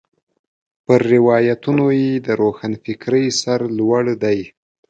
پر روایتونو یې د روښنفکرۍ سر لوړ دی.